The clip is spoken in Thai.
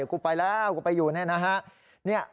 กูไปแล้วกูไปอยู่นี่นะฮะ